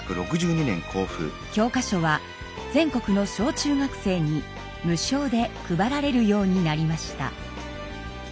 教科書は全国の小中学生に無償で配られるようになりました。